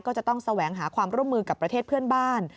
ก็จะต้องแสวงหาความร่วมมือกับประเทศเพื่อนบ้าน